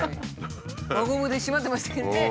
輪ゴムで縛ってましたけどね。